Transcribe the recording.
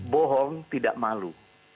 bohong tidak malu